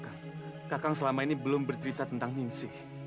kakak selama ini belum bercerita tentang ninsi